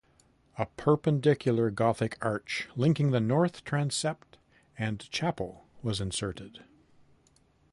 A Perpendicular Gothic arch linking the north transept and chapel was inserted.